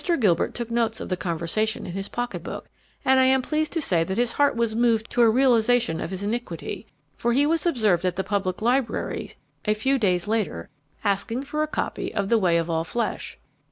Gilbert took notes of the conversation in his pocketbook, and I am pleased to say that his heart was moved to a realization of his iniquity, for he was observed at the Public Library a few days later asking for a copy of The Way of All Flesh.